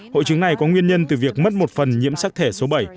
hội chứng này có nguyên nhân từ việc mất một phần nhiễm sắc thể số bảy